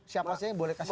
siapa saja yang boleh kasih